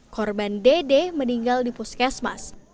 korban dede meninggal di puskes mas